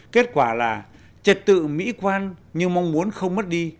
kết quả là trật tự mỹ quan nhưng mong muốn không mất đi